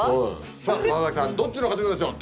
さあ佐々木さんどっちの勝ちでしょう。